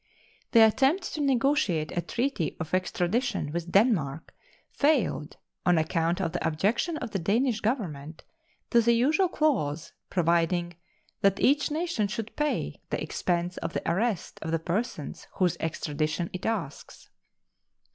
The attempt to negotiate a treaty of extradition with Denmark failed on account of the objection of the Danish Government to the usual clause providing that each nation should pay the expense of the arrest of the persons whose extradition it asks.